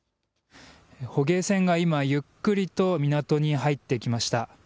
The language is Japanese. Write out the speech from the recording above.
捕鯨船が今ゆっくりと港に入ってきました。